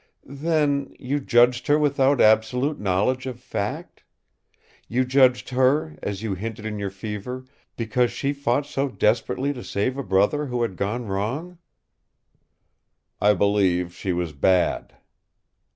"Then you judged her without absolute knowledge of fact? You judged her as you hinted in your fever because she fought so desperately to save a brother who had gone wrong?" "I believe she was bad."